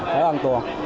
phải an toàn